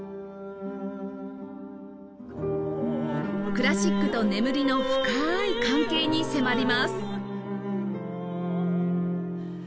クラシックと眠りの深い関係に迫ります